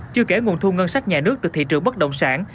chưa kể nguồn thu ngân sách nhà nước từ thị trường bất động sản